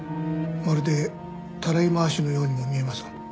まるでたらい回しのようにも見えますが。